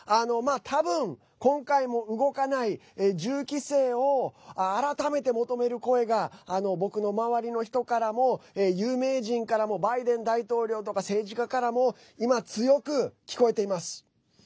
たぶん、今回も動かない銃規制を改めて求める声が僕の周りの人からも有名人からもバイデン大統領とか政治家からも今、強く聞こえています。